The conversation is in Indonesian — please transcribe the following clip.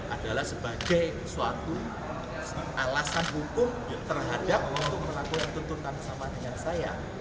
adalah sebagai suatu alasan hukum terhadap untuk melakukan tuntutan sama dengan saya